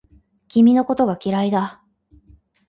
君のことが嫌いだ